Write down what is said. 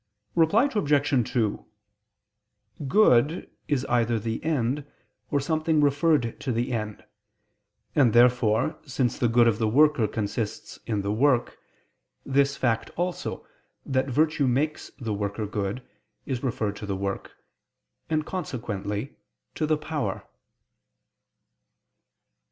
Reply Obj. 2: Good is either the end, or something referred to the end. And therefore, since the good of the worker consists in the work, this fact also, that virtue makes the worker good, is referred to the work, and consequently, to the power.